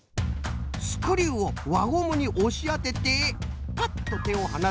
スクリューをわゴムにおしあててぱっとてをはなせば。